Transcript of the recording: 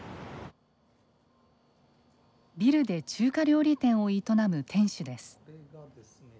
ビルで中華料理店を営む店主です。